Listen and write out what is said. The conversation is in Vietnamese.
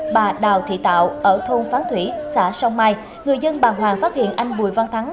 bà đào thị tạo ở thôn phán thủy xã sông mai người dân bà hoàng phát hiện anh bùi văn thắng